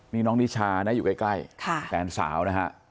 นี่น้องนิชานะอยู่ใกล้แฟนสาวนะฮะ